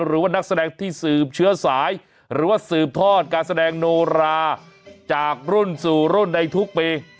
หรือว่านักแสดงที่สืบเชื้อสายหรือว่าสืบทอดการแสดงโนราจากรุ่นสู่รุ่นในทุกปี